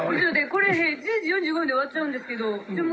「これ１０時４５分で終わっちゃうんですけどじゃあ